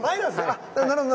あっなるほど。